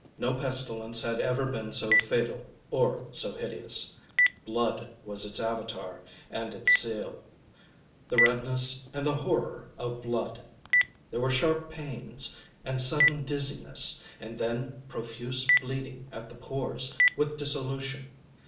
No pestilence had ever been so fatal, or so hideous. Blood was its Avatar and its sealŌĆöthe redness and the horror of blood. There were sharp pains, and sudden dizziness, and then profuse bleeding at the pores, with dissolution.